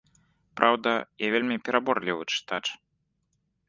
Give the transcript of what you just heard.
Праўда, я вельмі пераборлівы чытач.